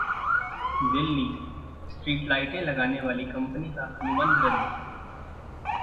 दिल्लीः स्ट्रीटलाइटें लगाने वाली कंपनी का अनुबंध रद्द